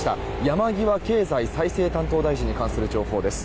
山際経済再生担当大臣に関する情報です。